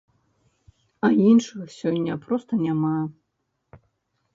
А іншых сёння проста няма!